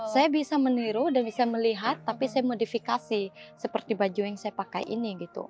saya bisa meniru dan bisa melihat tapi saya modifikasi seperti baju yang saya pakai ini gitu